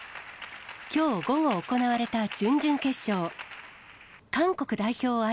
きょう午後、行われた準々決勝。